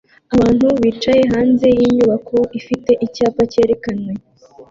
Abantu bicaye hanze yinyubako ifite icyapa cyerekanwe